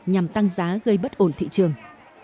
nhằm tăng giá gây bất ổn thị trường